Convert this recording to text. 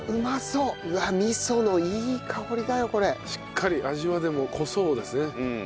しっかり味はでも濃そうですね。